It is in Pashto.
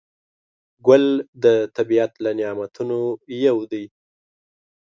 ګل د طبیعت له نعمتونو یو دی.